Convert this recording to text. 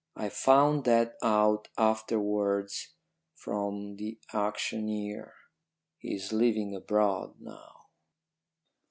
I found that out afterwards from the auctioneer. He is living abroad now.